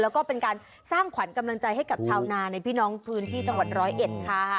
แล้วก็เป็นการสร้างขวัญกำลังใจให้กับชาวนาในพี่น้องพื้นที่จังหวัดร้อยเอ็ดค่ะ